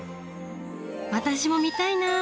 私も見たいな。